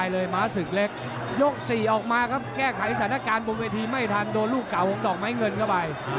รุ่นน้องโดนเข้าไปออกอาการเหมือนกันครับ